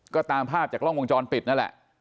ก็ตามภาพจากกล้องวงจรปิดนั่นแหละ